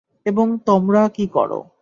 এবং তোমরা কী কর?